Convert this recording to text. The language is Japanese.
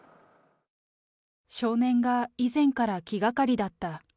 少年が以前から気がかりだった。